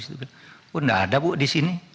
tidak ada di sini